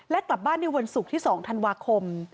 และกลับบ้านในวันศุกร์ที่๒ธันวาคม